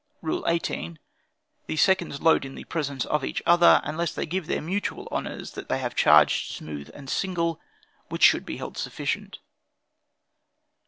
"Rule 18. The seconds load in presence of each other, unless they give their mutual honors that they have charged smooth and single, which should be held sufficient.